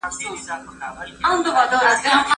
غشی په کمان کي راته وخاندي